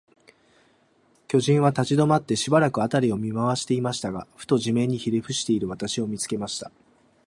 巨人は立ちどまって、しばらく、あたりを見まわしていましたが、ふと、地面にひれふしている私を、見つけました。